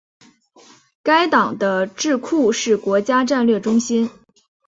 该党的智库是国家战略中心。